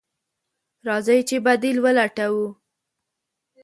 راځئ چې بديل ولټوو.